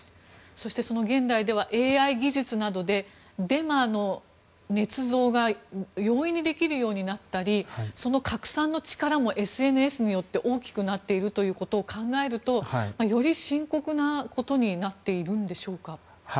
そして、その現代ではＡＩ技術などでデマのねつ造が容易にできるようになったりその拡散の力もＳＮＳによって大きくなっているということを考えるとより深刻なことになっているんでしょうか？